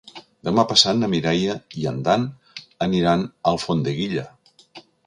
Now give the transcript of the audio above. Demà passat na Mireia i en Dan aniran a Alfondeguilla.